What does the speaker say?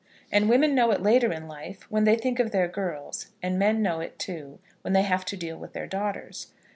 And women know it later in life when they think of their girls; and men know it, too, when they have to deal with their daughters.